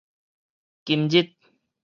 今日